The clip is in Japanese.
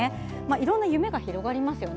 いろんな夢が広がりますよね。